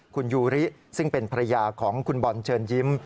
คุณยูริซึ่งเป็นภรรยาของคุณบอลเชิญยิ้ม